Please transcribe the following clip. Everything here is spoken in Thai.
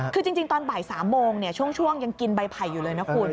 คือจริงตอนบ่าย๓โมงช่วงยังกินใบไผ่อยู่เลยนะคุณ